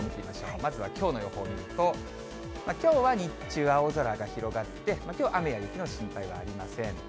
まずはきょうの予報見ると、きょうは日中、青空が広がって、きょう雨や雪の心配はありません。